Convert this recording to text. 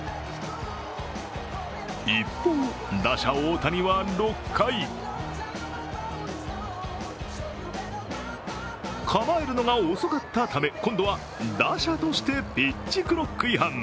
一方、打者・大谷は６回、構えるのが遅かったため、今度は打者としてピッチクロック違反。